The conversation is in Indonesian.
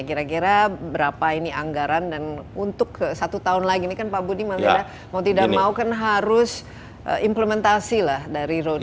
kira kira berapa ini anggaran dan untuk satu tahun lagi ini kan pak budi malah mau tidak mau kan harus implementasi lah dari road